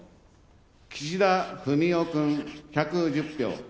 岸田文雄君、１１０票。